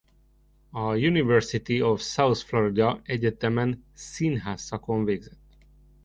A University of South Florida egyetemen színház szakon végzett.